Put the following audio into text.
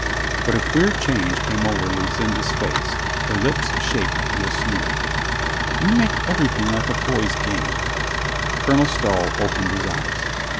But a queer change came over Lucinda's face. Her lips shaped to a sneer. "You make everything like a boy's game." Colonel Stow opened his eyes.